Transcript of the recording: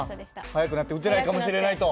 速くなって打てないかもしれないと？